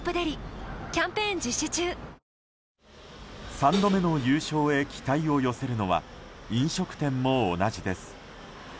３度目の優勝へ期待を寄せるのは飲食店も同じです。